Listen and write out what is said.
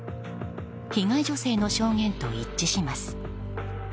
被害女性の証言と一致します。